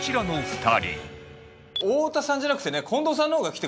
太田さんじゃなくてね近藤さんの方が来てくださる。